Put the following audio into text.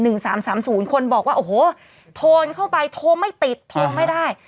หนึ่งสามสามศูนย์คนบอกว่าโอ้โหโทนเข้าไปโทนไม่ติดโทนไม่ได้